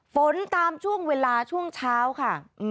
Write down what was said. ตามช่วงเวลาช่วงเช้าค่ะ